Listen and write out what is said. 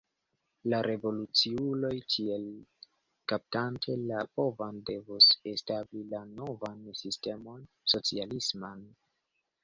La revoluciuloj tiel kaptante la povon devus establi la novan sistemon, socialisman.